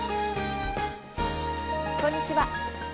こんにちは。